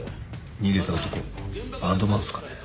逃げた男バンドマンですかね？